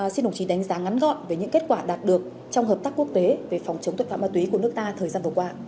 xin đồng chí đánh giá ngắn gọn về những kết quả đạt được trong hợp tác quốc tế về phòng chống tội phạm ma túy của nước ta thời gian vừa qua